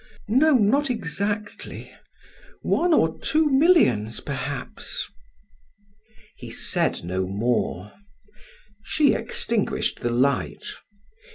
"No, not exactly one or two millions perhaps." He said no more. She extinguished the light.